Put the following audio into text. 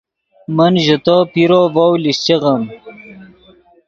من ژے تو پیرو ڤؤ لیشچیغیم